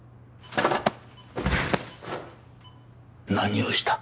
何をした？